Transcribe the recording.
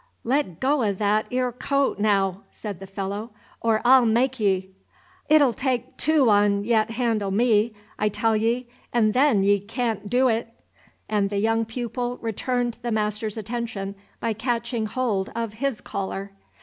"Le' go o' that are coat, naow," said the fellow, "or I 'll make ye! 'T 'll take tew on yet' handle me, I tell ye, 'n' then ye caant dew it!" and the young pupil returned the master's attention by catching hold of his collar.